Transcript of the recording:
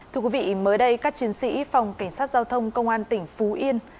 thưa quý vị mới đây các chiến sĩ phòng cảnh sát giao thông công an tỉnh phú yên